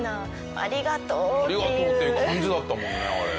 「ありがとう！」っていう感じだったもんねあれ。